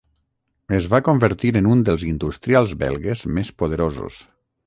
Es va convertir en un dels industrials belgues més poderosos.